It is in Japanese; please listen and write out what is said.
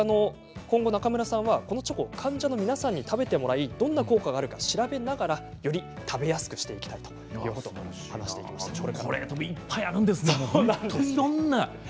今後、中村さんはこのチョコを患者の皆さんに食べてもらいどんな効果があるのか調べながらより食べやすくしていきたいということを話していました。